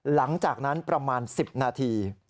หลังจากนั้นประมาณ๑๐นาที